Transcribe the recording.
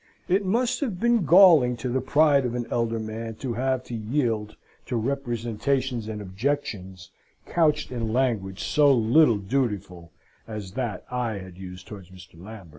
It must have been galling to the pride of an elder man to have to yield to representations and objections couched in language so little dutiful as that I had used towards Mr. Lambert.